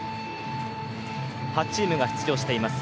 ８チームが出場しています。